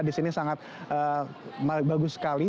di sini sangat bagus sekali